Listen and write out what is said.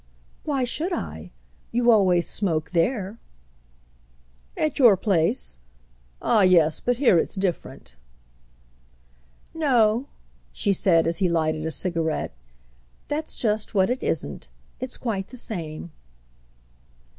"Why should I? You always smoke there." "At your place? Oh yes, but here it's different." "No," she said as he lighted a cigarette, "that's just what it isn't. It's quite the same."